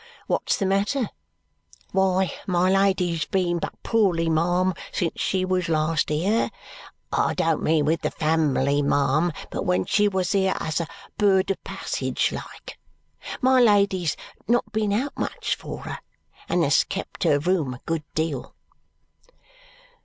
What's the matter?" "Why, my Lady has been but poorly, ma'am, since she was last here I don't mean with the family, ma'am, but when she was here as a bird of passage like. My Lady has not been out much, for her, and has kept her room a good deal."